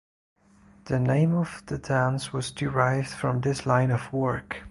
The name of the dance was derived from this line of work.